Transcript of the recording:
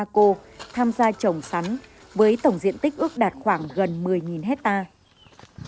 ba cô tham gia trồng sắn với tổng diện tích ước đạt khoảng gần một mươi hectare